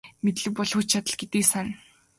Мэдлэг бол хүч чадал гэдгийг сана.